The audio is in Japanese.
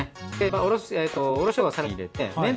おろししょうがを更に入れて。